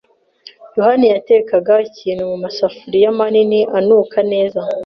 yohani yatekaga ikintu mumasafuri manini anuka neza.